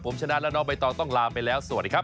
ผมชนะและน้องใบตองต้องลาไปแล้วสวัสดีครับ